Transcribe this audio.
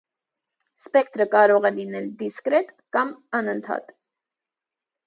Սպեկտրը կարող է լինել դիսկրետ կամ անընդհատ։